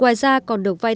buổi s gl pet